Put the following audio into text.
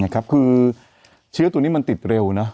คือเชื้อตัวนี้มันติดเร็วนะ